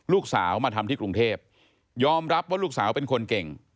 ลูกสาวมาทำที่กรุงเทพยอมรับว่าลูกสาวเป็นคนเก่ง